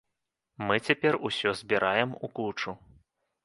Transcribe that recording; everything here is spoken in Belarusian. Мы цяпер усё збіраем у кучу.